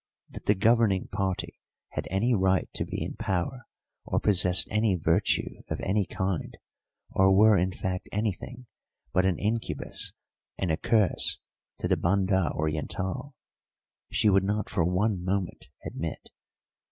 That the governing party had any right to be in power, or possessed any virtue of any kind, or were, in fact, anything but an incubus and a curse to the Banda Orientál, she would not for one moment admit.